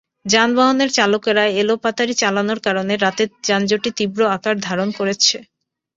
যানবাহনের চালকেরা এলোপাতাড়ি চালানোর কারণে রাতের যানজটই তীব্র আকার ধারণ করেছে।